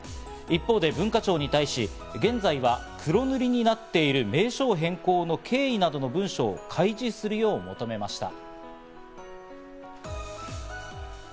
一方で文化庁に対し、現在は黒塗りになっている名称変更の経緯などの文書を開示するよう求めました。